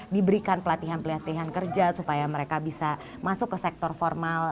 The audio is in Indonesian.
diberikan pelatihan pelatihan kerja supaya mereka bisa masuk ke sektor formal